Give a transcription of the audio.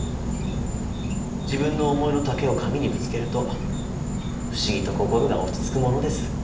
自分の思いの丈を紙にぶつけると不思議と心が落ち着くものです。